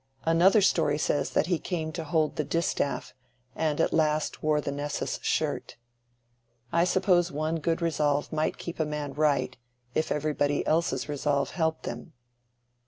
Another story says that he came to hold the distaff, and at last wore the Nessus shirt. I suppose one good resolve might keep a man right if everybody else's resolve helped him."